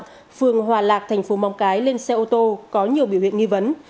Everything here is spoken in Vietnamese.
phường hòa lạc thành phố móng cái lên xe ô tô có nhiều biểu hiện nghi vấn